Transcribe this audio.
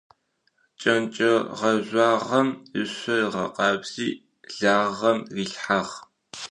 Кӏэнкӏэ гъэжъуагъэм ышъо ыгъэкъабзи лагъэм рилъхьагъ.